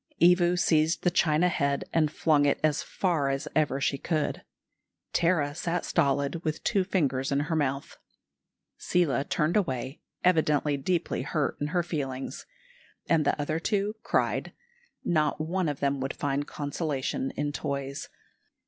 Evu seized the china head and flung it as far as ever she could. Tara sat stolid, with two fingers in her mouth. Seela turned away, evidently deeply hurt in her feelings, and the other two cried. Not one of them would find consolation in toys.